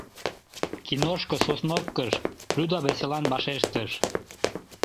— Киношко, Сосновкыш, — Люда веселан вашештыш.